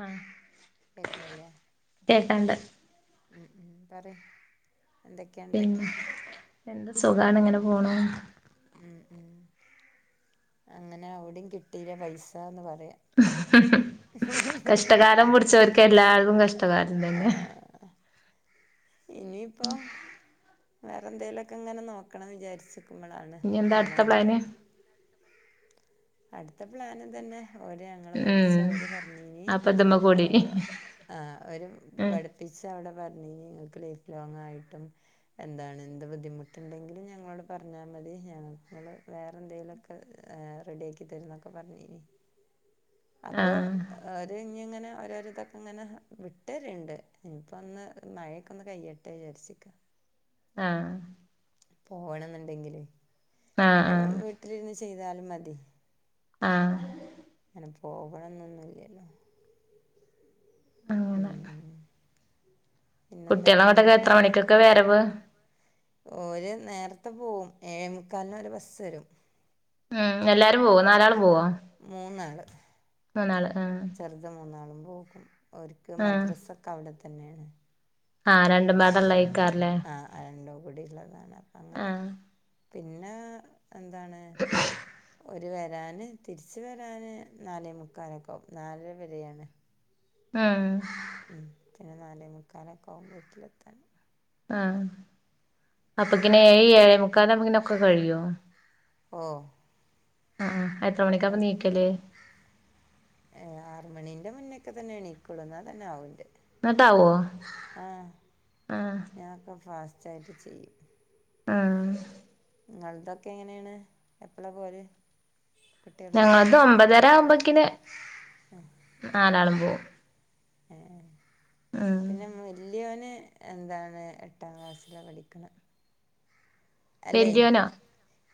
ആഹ് കേക്കണില്ലേ കേക്കാണ്ട് ഉം ഉം പറയ് പിന്നെ എന്താ സുഖാണ് ഇങ്ങനെ പോണു ഉം ഉം അങ്ങനെ അവിടിം കിട്ടില്ലെ പൈസാന്ന് പറയാ കഷ്ടകാലം പിടിച്ചവർക്ക് എല്ലാതും കഷ്ടകാലം തന്നെ ഇനി ഇപ്പൊ വേറെ എന്തെേലൊക്കെ ഇങ്ങനെ നോക്കണം വിചാരിച്ചു ക്കുമ്പളാണ് ഇനി എന്താ ഇങ്ങനെ അടുത്ത വന്നത് പ്ലാന് അടുത്ത പ്ലാന് ഇതെന്നെ ഓരെ നമ്മള പഠിച്ച ഉം ഓരു പറഞ്ഞീനി അപ്പൊ ഇതുമ്മെ കൂടി എന്താ ആഹ് അവരും ഉം പടിച്ച അവിടെ പറഞ്ഞീനി ഇങ്ങൾക്ക് ലൈഫ് ലോങ് ആയിട്ടും എന്താണ് എന്ത് ബുദ്ധിമുട്ടുണ്ടെങ്കിലും ഞങ്ങളോട് പറഞ്ഞാൽ മതി ഞങ്ങൾ വേറെ എന്തേലൊക്കേ റെഡിയാക്കി തരുന്നൊക്കെ പറഞ്ഞീനി അപ്പോ ആഹ് ഓര് ഇനി ഇങ്ങനെ ഓരോരുതൊക്കെ ഇങ്ങനെ വിട്ടെര്ണ്ട് ഇനിപ്പോ ഒന്ന് മഴയൊക്ക ഒന്ന് കഴിയട്ടെ ന്ന് വിചാരിച്ചു നിക്ക ആഹ് പോവണംന്നുണ്ടെങ്കില് ആഹ് അല്ല ആഹ് വീട്ടിലിരുന്ന് ചെയ്താലും മതി ആഹ് അങ്ങനെ പോവണംന്നൊന്നും ഇല്ലല്ലോ ഉം അങ്ങനെ ഉം കുട്ട്യാളെങ്ങോട്ടൊക്കെ എത്ര മണിക്കൊക്ക വരവ് ഓര് നേരത്തെ പോവും ഏഴേമുക്കാലിനു ഒരെ ബസ് വരും ഉം എല്ലാരും പോവോ നാലാളും പോവോ മൂന്നാള് മൂന്നാള് ആഹ് ചെറുത് മൂന്നാളും പോകും ഓര്ക്ക്‌ ആഹ് മദ്രാസ ഒക്കെ അവിടെ തന്നെയാണ് ആഹ് രണ്ടും പാടെ ഉള്ള ആയിക്കാരംലെ ആഹ് ആഹ് രണ്ടും കൂടി ഇള്ളതാണ് ആഹ് പിന്നെ എന്താണ് ഓര് വരാന് തിരിച്ച് വരാന് നാലേ മുക്കാലൊക്കെ ആവും നാലരവരേയാണ് ഉം പിന്നെ നാലേ മുക്കാലൊക്കെ ആവും വീട്ടിലെത്താൻ ആഹ് അപ്പൊക്കിന് ഏഴ്‌ ഏഴേ മുക്കാലാമ്പൊക്കിന് ഒക്കെ കഴിയോ ഓഹ് ഉം എത്ര മണിക്കാ അപ്പൊ നീക്കല് ഏഹ് ആറ് മണീന്റെ മുന്നൊക്കെ തന്നെ എണീക്കൊളു എന്നാ തന്നെ ആവുന്റെ ഇന്നിട്ടാവോ ആഹ് ഞാന് ഒക്ക ഫാസ് റ്റായ്ട്ട് ചെയ്യും ആഹ് ഇങ്ങള്തൊക്കെ എങ്ങനേണ് എപ്പളാ പോവല് ഞങ്ങളത് ഒമ്പതര ആവുമ്പക്കിന് ആഹ് നാലാളും പോവും ഏഹ് ഉം പിന്നെ വല്ല്യോന് എന്താണ് എട്ടാ ക്ലാസ്സിലാ പഠിക്ക്‌ണ്‌ അല്ലേഹ് വല്യോനോ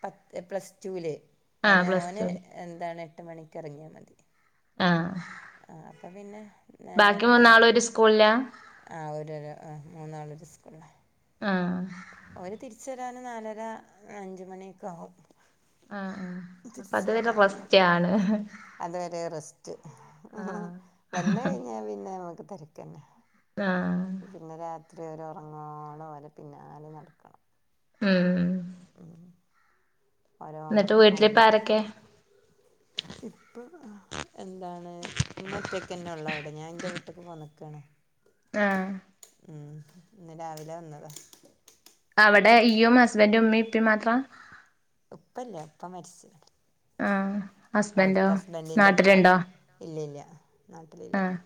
പത്ത് പ്ലസ്ടൂല് അഹ് ആഹ് പിന്നെ പ്ലസ് ഓന് ടു എന്താണ് എട്ട് മണിക്കെറങ്ങിയാ മതി ആഹ് ആഹ് അപ്പൊ പിന്നെ ബാക്കി മൂന്നാളും ഒരു സ്കൂളിലാ [unintelligible] ആഹ് ഒരോരോ മൂന്നാളൊരു സ്കൂളാ. ആഹ് ഓന് തിരിച്ചെരാന് നാലര അഞ്ചുമണിയെക്കാവും. ആഹ് അപ്പ അത് വരെ റെസ്റ്റാണ്. അതുവരെ റെസ്റ്റ് വന്നഴിഞ്ഞാ പിന്നെ നമുക്ക് തെര്ക്കന്നെ ആഹ് പിന്ന രാത്രി വരെ ഒറങ്ങോളം ഓലെ പിന്നാല നടക്കണം. ഉംഹ് ഉംഹ് ന്നിട്ട് വീട്ടിലിപ്പാരക്കെ? ഇപ്പം ആഹ് എന്താണ് ഇമ്മ ഒറ്റക്കന്നെ ഒള്ളവ്ടെ. ഞാൻ ൻ്റെ വീട്ടിക്ക് പോന്നക്കാണ്. ആഹ് ഉംഹ് ഇന്ന് രാവിലെ വന്നതാ അവിടെ ഇയ്യും ഹസ്ബന്റും ഉമ്മേം ഇപ്പേം മാത്രാ? ഉപ്പല്ല്യാ പ്പ മരിച് ആഹ് ഹസ്ബന്റോ? ഹസ്ബൻഡിൻ്റെ ഉപ്പ നാട്ടില്ണ്ടോ? ഇല്ല ഇല്ല നാട്ടിലില്ല ആഹ്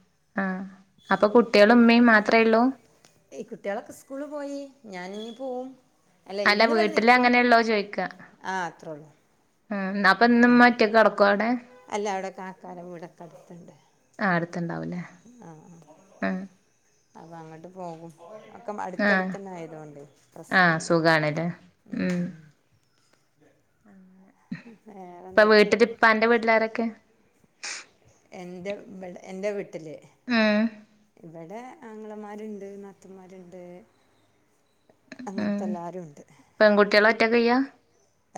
ആഹ് അപ്പൊ കുട്ട്യളും ഉമ്മേം മാത്രേള്ളൂ? ഏയ് കുട്ട്യാളൊക്കെ സ്കൂള് പോയി. ഞാൻ നിപോവും. അല്ല. ഇന്ന് ഇവിടെ വീട്ടില് നിക്കും. അങ്ങനെയുള്ളോ ചോയിക്കാ ആഹ് അത്രേള്ളൂ. ആഹ് അപ്പന്ന്മ്മ ഒറ്റക്ക്കെട്കോവ്ടെ? വ്ടെ കാക്കാരെ വീടൊക്കട്ത്ത്ണ്ട്. ആഹ് അട്ത്തുണ്ടാവല്ലേ. ആഹ് അപ അങ്ങട്ട് പോകും. ഒക്ക ആഹ് അടുത്തടുത്തന്നായതൊണ്ടേ ആഹ് പ്രശ്നല്ല്യ സുഖാണല്ലേ ഉംഹ് ഉംഹ് വേറെ ഇപ്പ എന്തൊക്കെയാ വീട്ടില് ഇപ്പാന്റെ വീട്ടിലാരൊക്കെ? എന്റെ വ്ടെ എന്റെ വീട്ടില് ഉം ഇവിടെ. ആങ്ങളമാര്ണ്ട്, നാത്തുമാര്ണ്ട് അങ്ങൻത്തെ എല്ലാരുണ്ട്. പെൺകുട്ട്യാളൊറ്റക്ക് ഇയ്യാ.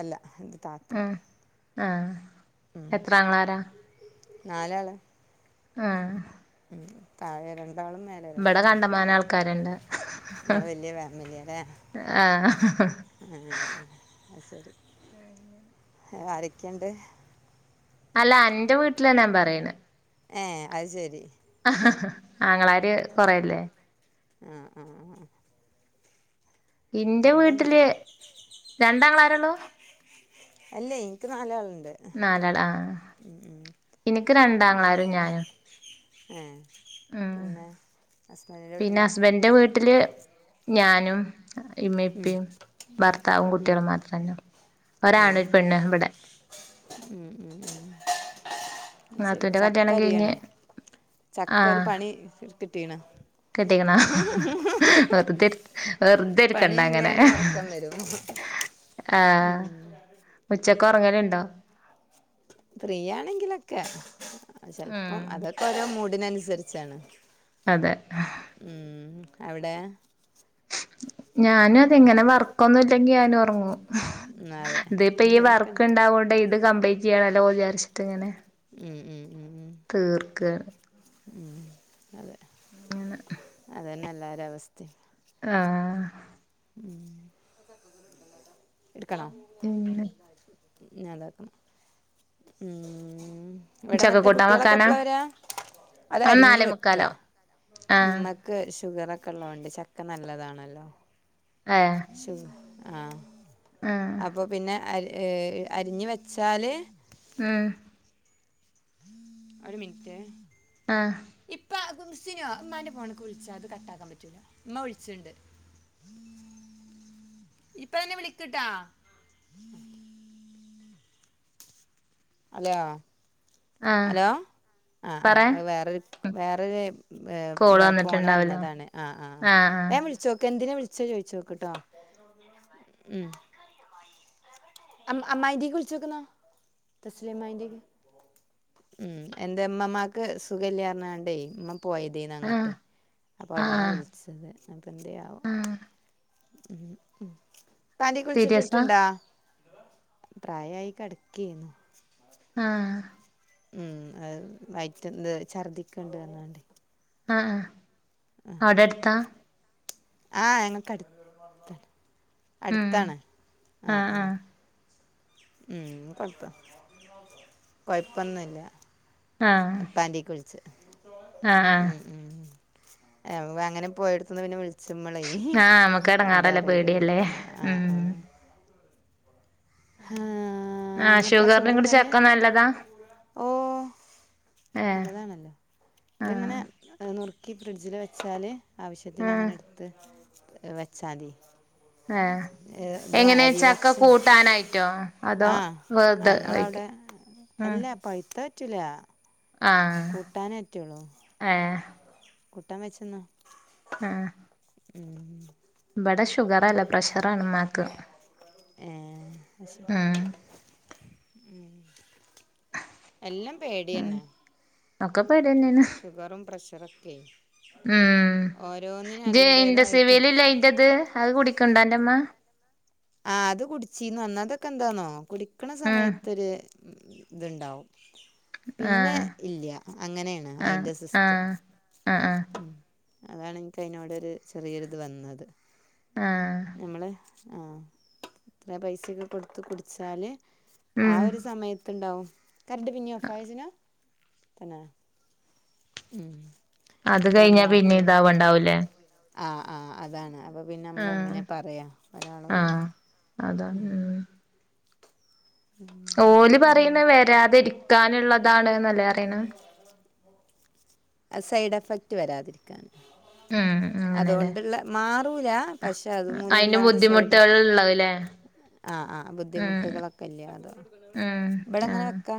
അല്ല ന്റെ താ ഉം ആഹ് ഉം എത്ര ആങ്ങളാരാ നാലാള് ആഹ് ഉം താഴെരണ്ടാളും മേൽ ഇവിടെ രണ്ടാളും കണ്ടമാനം ആൾക്കാരുണ്ട് നിങ്ങള് വലിയ ഫാമിലിയാല്ലേ ആഹ് ഏഹ് അഹ് ശരി ഏ ആരൊക്കെയുണ്ട് അല്ല അന്റെ വീട്ടിലാ ഞാൻ പറയ്ണ ഏ അഹ് ശരി ആങ്ങളാര് കൊറല്ലേ ആഹ് ആഹ് ഇന്റെ കരണ്ടൊന്നോ വീട്ടില് രണ്ടാങ്ങളാരുള്ളൂ? അല്ലേ ഇൻക്ക് നാലാളുണ്ട് ഉം ഉം ഇനിക്ക് രണ്ടാം ആങ്ങളാരും ഞാനും ഏഹ് ഉം പിന്നെ വീട്ടിലാ ഹസ്ബൻഡന്റെ വീട്ടില് ഞാനും ഇമ്മ ഉം, ഇപ്പിം ഭർത്താവും ഉം. കുട്ടികളും മാത്രന്നള്ളു ഒരാണ് ഒരു പെണ്ണ് ഇവടെ ഉം ഉം ഉം ശരി നാത്തൂന്റെ ചക്ക കല്യാണം കഴിഞ്ഞ് അരിയാണ് ചക്ക ഒരു പണി കിട്ടീണ് കട്ടിക്ക്ണോ വറുതെ ഇരു വറു തെ പണി ഇരിക്കണ്ട ഇല്ല അങ്ങനെ ഞാൻ ഉറക്കം വരും ഉച്ചക്ക് ഉറങ്ങല്ണ്ടോ ഫ്രീയാണെങ്കിലൊക്കെ ഉം ചെലപ്പം അതൊക്കെ ഓരോ മൂഡിനനുസരിച്ചാണ് അതെ ഉം അവിടെ ഞാനും അതെ ഇങ്ങനെ വർക്കൊന്നും ഇല്ലെങ്കി ഞാനും ഒറങ്ങൂം ഉം അതെ ദേ ഇപ്പോ ഈ എന്തേലൊക്കെ വർക്ക് ഉണ്ട് ഉണ്ടാവോണ്ട് ഇത് കംപ്ലീറ്റ് ചെയ്യണല്ലോ വി ജസ്റ്റ് ഇങ്ങനെ ഉം ഉം ഉം തീർക്കാണ് ഉം അതെ അങ്ങനെ അതന്നെ എല്ലാരെ അവസ്ഥയും ആഹ് ഉം ഇടുക്കണോ പിന്നെ ഞാതാക്കും ഉം ഇവിടെന്നിട്ട് ചക്കക്കൂട്ടാൻ കുട്ടികളൊക്കെ വെക്കാനാ എപ്പള വരാ അത് ആ അരിഞ്ഞു നാലേ വെക്ക മുക്കാലാവും ആഹ് ഉമ്മക്ക് ഷുഗർ ഒക്കെ ഉള്ളോണ്ട് ചക്ക നല്ലതാണല്ലോ ഏഹ് ശു ആ ആഹ് അപ്പൊ പിന്നെ അരിഞ്ഞ് വച്ചാല് ഉം ഒരു മിനിറ്റ് ആഹ് ഇപ്പ സിനോ ഉമ്മാന്റെ ഫൊണ്ക്ക് വളിച്ചാ ഇത് കട്ടാക്കാൻ പറ്റൂല ഉമ്മാ വിളിച്ചിണ്ട് ഇപ്പ തന്നെ വിളിക്ക്ട്ടാ ഹലോ ആഹ് ഹലോ ആ ആ പറേ അത് വേറൊരു വേറൊര് കോള് ഫോണ് വന്നിട്ടുണ്ടാവല്ലോ വന്നതാണ് ആ ആ ആഹ് വേഗം വിളിച്ചോക്ക് എന്തിനാ വിളിച്ച ചോയിച്ചോക്ക്ട്ടോ ഉം അ അമ്മായിന്റെക്ക് വിളിച്ചോക്ക്ന്ന തസ്ലി അമ്മായിന്റെക്ക് ഉം എന്തെ ഇമ്മമാക്ക് സുഖല്യാ പറഞ്ഞാണ്ടേ പോയതേനി ആഹ് ആഹ് അങ്ങട്ട് അപ്പൊ അവിടന്നാ ആഹ് വിളി ച്ചത് അപ്പം എന്തെയാവോ ആഹ് ഇപ്പാന്റെക്ക് വിച്ചിട്ട് സീരിയസാ കിട്ടുണ്ടോ പ്രായായി കടക്കേനി ആഹ് ഉം അഹ് വൈറ്റ്ന്ന് ഛർദിക്ക്ണ്ട് പറഞ്ഞാണ്ട് ആ ആ ആഹ് അവിടെ എടുത്താ ആഹ് ഞങ്ങക്ക് അട് ത്ത ഉം അടുത്താണ് ആ ആഹ് ആ ആഹ് ഉം കൊഴപ്പം കൊഴപ്പൊന്നുംല്ല ആഹ് പ്പാന്റെക്ക് വിൾച്ച് ആഹ് ആഹ് ഉം ഉം അങ്ങനെ പോയോടുത്ത്ന്ന് പിന്നെ വിളിച്ചുമ്മളേ ഉം ആഹ് നമുക്ക് എന്താ എടങ്ങാറല്ലേ അറിയില്ലല്ലേ പേടിയല്ലേ ആ ഉം ആ ആഹ് ആഹ് ഞ്ഞ്എപ്പഴാ ഷുഗറിനും കൂടി ചോറ്ന്നല് ചക്ക നല്ലതാ ഓ ഏഹ് നല്ലതാണല്ലോ ഇത് ആഹ് ഇങ്ങനെ നുറുക്കി ഫ്രിഡ്ജില് വെച്ചാല് ആവശ്യത്തിന് ആഹ് അങ്ങനെ എടുത്ത് വെച്ചാതി ആഹ് ഇത് എങ്ങനെ ചക്ക കൂട്ടാനായിട്ടോ അതോ ആഹ വെറുതെ കഴിക്ക അങ്ങളോടെ ഉം അല്ല പഴുത്ത പറ്റൂല്ല ആഹ് കൂട്ടാനെ പറ്റുള്ളൂ ഏഹ് കൂട്ടാൻ വെച്ചിന്നും ആഹ് ഉം ഇബടെ ഷുഗർ അല്ല പ്രഷറാണ് ഇമ്മാക്ക് ഏ അഹ് ശരി ഉം എല്ലം ഉം പേടിയന്നെ ഒക്കെ പേടിന്നെയാണ് ഷുഗറും പ്രഷറൊക്കെ ഉം ഓരോന്നിനും ഇജ് ഇന്റെ അതിൻ്റേതായിട്ട് സിവൽ ഇല്ല അയ്ന്റെത് അഹ്കുടിക്കണ്ടോ അന്റെമ്മ ആ അത് കുടിച്ചീന്നു അന്നതൊക്കെ എന്താന്നോ കുടിക്കണ ഉം സമയത്തൊരു ഇത്ണ്ടാവും പിന്നെ ആഹ് ഇല്ല അങ്ങനെയാണ് ആഹ് അയ്ന്റെ സിസ്റ്റം ആഹ് ആഹ് ആഹ് ഉം അതാണ് ഇൻക്ക് അയിനോടൊരു ചെറിയൊരു ഇത് വന്നത് ആഹ് ഞമ്മള് ആ ത്ര പൈസക്കെ കൊടുത്ത് കുടിച്ചാല് ആ ഉം ഒരു സമയത്ത്ണ്ടാവും കര്ന്റ് പിന്നേം ഓഫ് ആയോ ജ്നാ തന്നെ ഉം അത് ആ കഴിഞ്ഞാ പിന്നെ മോട്ടർ ഇതാവണ്ടാവൂലേ ആ ആ അതാണ് അപ്പോ പിന്നെ ആഹ് മ്മളെങ്ങനെ പറയാ ഒരാളോട് ആഹ് അതാണ് ഉം ഓല് പിന്നെ പറിണ് വരാതിെരിക്കാനുള്ളതാണ് ന്നല്ലേ പറിണേ അഹ് സൈഡ് എഫക്റ്റ് വരാതിരിക്കാൻ [inaudible] അങ്ങനെല്ലേ അതൊണ്ടുള്ള മാറൂല പക്ഷെ അത് അയിന് മുലണ്ടാണ ബുദ്ധിമുട്ടുകൾ സൈഡ്എഫക് ഉണ്ടാവുല്ലേ ആ ആ ഉം ബുദ്ധിമുട്ടുകളൊക്കെ ഇല്യെ അത് ഉം ബടെങ്ങനെ ആഹ് വെക്കാ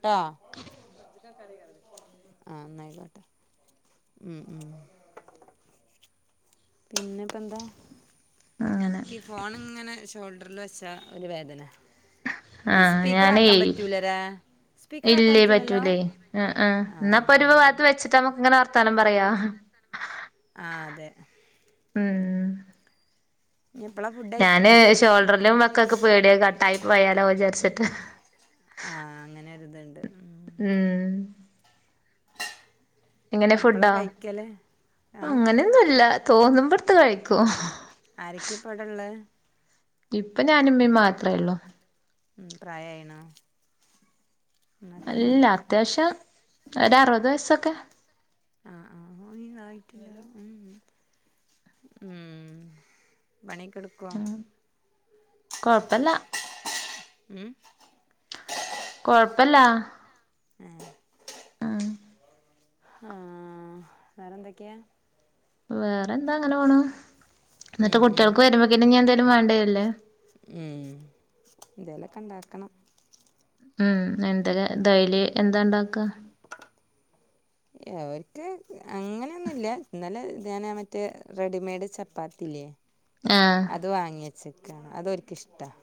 ട്ടോ [unintelligible] ആ ന്നയികോട്ടെ ഉം ഉം പിന്നെ പ്പന്താ അങ്ങനെ ഫോണിങ്ങനെ ഷോൾഡറിൽ വെച്ചാ ഒരു വേധന ത് ആഹ് സ്പീക്കർ ആക്കാൻ പറ്റൂല ലേ ഇല്യേയ് പറ്റൂലേയ് ആ ന്നപ്പൊ ഒരു ഭാഗത്ത് വെച്ചിട്ട് നമക്ക് ഇങ്ങനെ വ ത്താനം പറയാ ആ അതെ ഉം എപ്പളാ ഫുഡ് കഴിക്ക ഞാന് ഇത് ഷോൾഡറിലും വെക്കാക്ക് പേടിയ കട്ടായി പോയാലോ വിചാര്ച്ചിട്ട് ആ അങ്ങനൊര്ത്ണ്ട് ഉം എങ്ങനെ എപ്പോഴാ ഫുഡാ കഴിക്കല് ആ അങ്ങനെയൊന്നുംല്ല തോന്നുമ്പടുത്തു കഴിക്കും. ആരൊക്കെ ഇപ്പവ്ടള്ള് ഇപ്പ ഞാനും ഉമ്മിം മാത്രേ ഉള്ളൂ. ഉം, പ്രായായിണോ? ന്നാ അല്ല അത്യാവശ്യം ഒരു അറുപത് വയസ്സൊക്കെ ആഹ് ആഹ് [unintelligible] ഉം പണിക്കെടു ക്കോ ഉം കൊഴപ്പല്ല ഉം കൊഴ്പ്പല്ല. ഏഹ്. ആഹ്. ആഹ് വേറൊന്തെക്കെ. വേറെ എന്താ അങ്ങനെ പോണു, ഉം, ന്നിട്ട് ഉം. കുട്ടിൾക്ക് വരുമ്പോക്കിന് ഞ്ഞ്എന്തേലും വേണ്ടിര്ലേ. എന്തേലൊക്കെ ഉണ്ടാക്കണം. ഉം എന്തൊല്ലാ ഡൈലി എന്താ ഉണ്ടാക്കുക. അവർക്ക് അങ്ങനെയൊന്നുല്ല, ഇന്നലെ ഞാൻ മറ്റേ റെഡിമെയ്ഡ് ചപ്പാത്തില്ലേ. ആഹ് അത് വാങ്ങി വച്ചേക്കാണ്, അതൊരിക്കിഷ്ടമാണ്.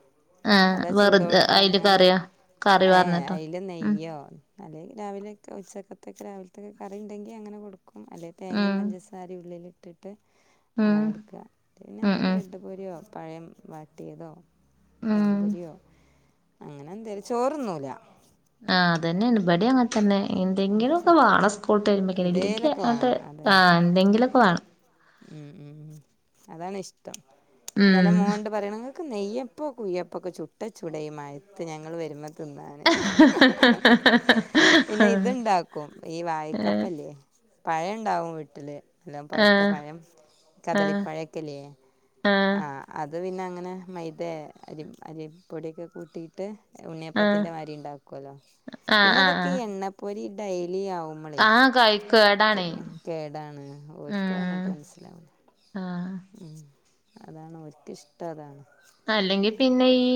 ആഹ് അതാ വെറുതെ ചൂടോട്ക്ക അയില് അങ്ങനെ കറിയോ കറി ഏ പാർന്നിട്ടോ അയില് ഉം നെയ്യോ അല്ലെ രാവിലെ ഒക്കെ ഉച്ചക്കത്തൊക്കെ രാവിലത്തൊക്കെ കറിണ്ടെങ്കി അങ്ങനെ കൊടുക്കും അല്ലെ തേങ്ങയും ഉം പഞ്ചസാ സാരം ഉള്ളിൽ ഇട്ടിട്ട് ഉം അങ്ങനെ കൊടുക്കുക, പിന്നെ ഉം എന്തേ ബ്ര ഉം പട്ടുപൊരിയോ പഴം വാട്ടിയതോ പഴം ഉം പൊരിയോ അങ്ങനെ എന്തേലും ചോറുന്നൂല. ആ അതന്നെണ് ഇബടി അങ്ങനെ തന്നെ എന്തെങ്കിലും ഒക്കെ വാണം സ് സ്കൂളിട്ട് വരുമ്പോത്തേക്കണ് ഇല്ലങ്കി എന്തേലൊക്കെ ആണ്ട് വേണം ആ അതന്നെ എന്തെങ്കിലുമൊക്കെ വാണം. ഉം ഉം അതാണ് ഇഷ്ടം ഇന്നലെ ഉം മോനണ്ട് പറയണ് ങ്ങക്ക് നെയ്യപ്പോ കുയ്യപ്പോ ഒക്കെ ചുട്ടച്ചുടെ ഈ മഴയത്ത് ഞങ്ങൾ വരുമ്പോ തിന്നാന് പിന്നെ ഇതുണ്ടാക്കും ഈ വായക്കപ്പം. ഏഹ് പഴണ്ടാവും വീട്ടില്. എല്ലാം പഴുത്ത ആഹ് പഴം ആഹ് കദളിപ്പഴക്കെല്യ ആഹ് അത് പിന്നെ അങ്ങനെ മൈദ അരി അരിപ്പൊടിയൊക്കെ കൂട്ടിയിട്ട് ആഹ് ഉണ്ണിയപ്പത്തിന്റെ മാതിരി ഉണ്ടാക്കുവല്ലോ, ആഹ് പിന്നെ ആഹ് ഇതൊക്കെ ആഹ് എണ്ണപ്പൊരി ഡൈലി ആവു മ്പോള് ആഹ് കഴിക്കും ഏടാണേ കേടാണ് ഒരിക്ക് ഉം പറഞ്ഞിട്ട് മനസിലാവണില്ല. ആഹ് ഉം അതാണ് ഒരിക്ക് ഇഷ്ടം അതാണ്. അല്ലെങ്കിൽ പിന്നെ ഈ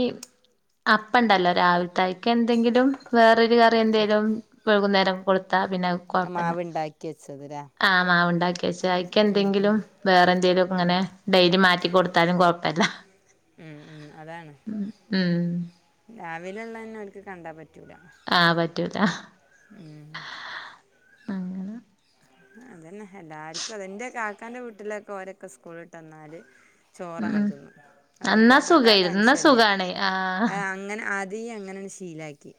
അപ്പം ഉണ്ടല്ലോ രാവിലത്തായിട്ട് ക്കെ എന്തെങ്കിലും വേറൊരു കറിം എന്തെലും വൈകുന്നേരം കൊടുത്താ പിന്നെ മാവ് ണ്ടാക്കി വെച്ചത് ല്ലേ. ആ മാവ് ഉണ്ടാക്കിവച്ച അയിക്ക് എന്തെങ്കിലും വേറെ എന്തെലും ഒക്കെ ഇങ്ങനെ ഡൈലി മാറ്റി കൊടുത്താലും കുഴപ്പല്ല. ഉം ഉം അതാണ്. ഉം ഉം രാവിലെ ഉള്ളത് തന്നെ ഓല്ക്ക് കണ്ടാൽ പറ്റൂല. ആഹ് പറ്റൂല. ഉം. അങ്ങനെ അതന്നെ എല്ലാർക്കും അതെ ന്റെ കാക്കാന്റെ വീട്ടിലൊക്കെ ഓരൊക്കെ സ്കൂളിട്ട് വന്നാല് ചോർ ഉം അങ്ങട്ട് തിന്നും. അതുകൊണ്ട് അന്നാ താത്താക്കാ സുഖായിരുന്നു ഇന്നാ ടെൻഷൻ ഇല്ല. സുഖാണ് ആഹ് അങ്ങനെ ആദ്യ അങ്ങനെയണ്ട് ശീലാക്കി.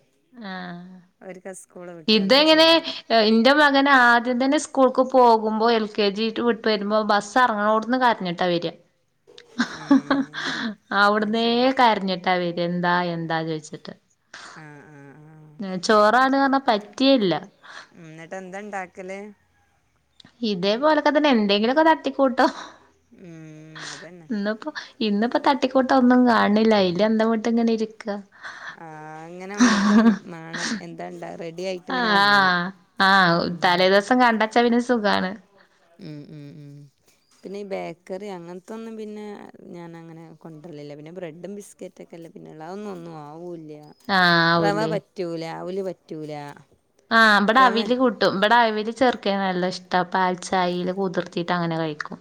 ആഹ ഓര്ക്ക് സ്കൂള് വിട്ട് വന്നാ ഇതെങ്ങനെ ചോറ് ഇന്റെ മ അങ്ങനെ ആദ്യം തന്നെ സ്കൂൾക്ക് പോകുമ്പോൾ എൽ കെ ജി വിട്ട് വരുമ്പോ ബസ് അറങ്ങണോട്ത്ത്ന്ന് കരഞ്ഞിട്ടാ വര്യ ഹ ഹ ഏഹ് അത് അവിട്ന്നേ ശരി കരഞ്ഞിട്ടാ വര്യ എന്താ എന്താ ചോയ്ച്ചിട്ട് ആഹ ആ ചോറാണ് പറഞ്ഞാ പറ്റിയെ ഇല്ല ഉം ന്നട്ട് എന്താ ഇണ്ടാക്കല് ഇതേപോലൊക്കെ തന്നെ എന്തെങ്കിലുമൊക്കെ തട്ടിക്കൂട്ടും ഉം അതന്നെ ഇന്ന് പ്പോ ഇന്ന് ഇപ്പ തട്ടിക്കൂട്ടാൻ ഒന്നും കാന് ഇല്ല അയില് അന്തംവിട്ട് ഇങ്ങനെ ഇരിക്ക ആ അങ്ങനെ നമുക്കും വേണം എന്താണ്ടാ റെഡി ആയി ആ ആ ആ തലേദിവസം കണ്ടച്ച പിന്നെ സുഖാണ് ഉം ഉം ഉം പിന്നെ ഈ ബേക്കറി അങ്ങനത്തൊന്നും പിന്നെ ഞാനങ്ങനെ കൊണ്ടുവരലില്ല പിന്നെ ബ്രെഡും ബിസ്ക്കറ്റ് ഒറ്റയ്ക്കല്ല പിന്നെ ഉള്ള ഒന്നും ഒന്നും ആവൂില്ല ആഹ് റവ ആവൂലേ പറ്റൂല ഔല് പറ്റൂല ആ ഇവിടെ റവ അവില് കൂട്ടും ഇവിടെ അവിൽ ചെർക്കൻ നല്ല ഇഷ്ട പാൽച്ചായീല് കുതിർത്തിട്ട് ട്ട അങ്ങനെ കഴിക്കും.